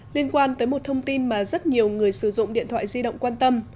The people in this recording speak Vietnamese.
liên quan tới một thông tin mà rất nhiều người sử dụng điện thoại di động quan tâm